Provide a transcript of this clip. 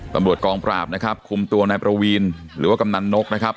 ตำรวจกองปราบนะครับคุมตัวนายประวีนหรือว่ากำนันนกนะครับ